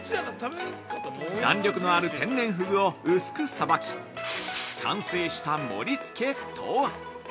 弾力のある天然ふぐを薄くさばき完成した盛り付けとは？